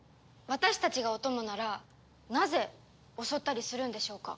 私たちがお供ならなぜ襲ったりするんでしょうか？